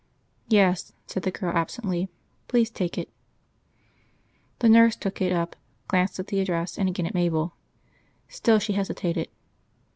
"Yes," said the girl absently. "Please take it." The nurse took it up, glanced at the address, and again at Mabel. Still she hesitated.